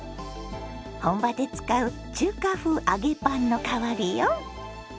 本場で使う中華風揚げパンの代わりよ。